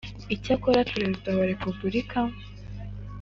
icyakora perezida wa repubulika